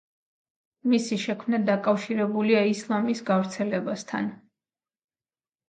მისი შექმნა დაკავშირებულია ისლამის გავრცელებასთან.